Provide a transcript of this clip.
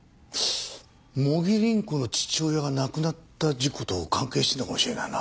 茂木凛子の父親が亡くなった事故と関係しているのかもしれないな。